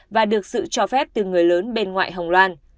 và được sự cho phép từ người lớn bên ngoại hồng loan